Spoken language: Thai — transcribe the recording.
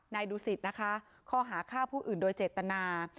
ดูสิตนะคะข้อหาฆ่าผู้อื่นโดยเจตนา